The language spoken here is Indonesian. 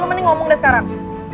mending ngomong deh sekarang